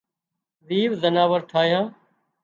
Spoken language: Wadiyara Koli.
زيوَ زناور ٺاهيان